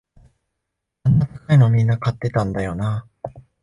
あんな高いのみんな買ってたんだよな